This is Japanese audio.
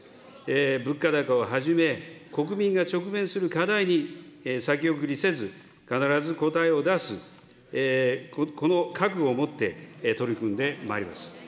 物価高をはじめ、国民が直面する課題に先送りせず、必ず答えを出す、この覚悟を持って取り組んでまいります。